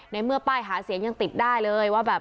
ในเมื่อป้ายหาเสียงยังติดได้เลยว่าแบบ